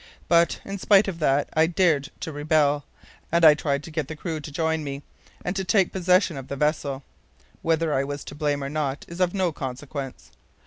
"But in spite of that, I dared to rebel, and I tried to get the crew to join me, and to take possession of the vessel. Whether I was to blame or not is of no consequence.